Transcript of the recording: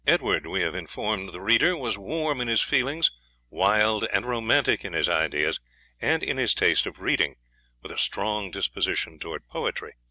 Edward, we have informed the reader, was warm in his feelings, wild and romantic in his ideas and in his taste of reading, with a strong disposition towards poetry.